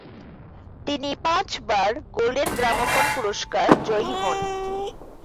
তিনি পাঁচবার Golden Gramophone পুরস্কার জয়ী হন।